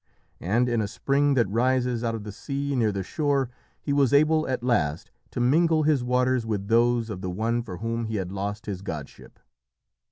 And in a spring that rises out of the sea near the shore he was able at last to mingle his waters with those of the one for whom he had lost his godship.